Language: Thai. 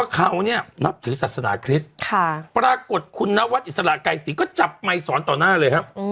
เขาเนี่ยนับถือศาสนาคริสต์ปรากฏคุณนวัดอิสระไกรศรีก็จับไมค์สอนต่อหน้าเลยครับ